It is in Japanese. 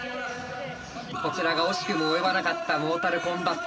こちらが惜しくも及ばなかったモータルコンバット。